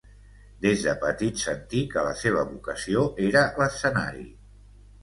Des de petit sentí que la seva vocació era l'escenari.